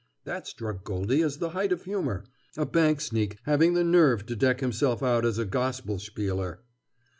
That struck Goldie as the height of humor, a bank sneak having the nerve to deck himself out as a gospel spieler.